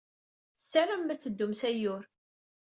Tessaramem ad teddum s Ayyur.